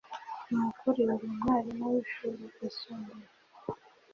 Nukuri uri umwarimu wishuri ryisumbuye?